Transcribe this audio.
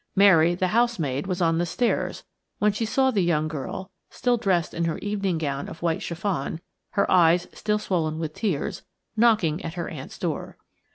Mary, the housemaid, was on the stairs when she saw the young girl, still dressed in her evening gown of white chiffon, her eyes still swollen with tears, knocking at her aunt's door.